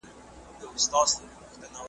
چي دي واچوي قاضي غاړي ته پړی `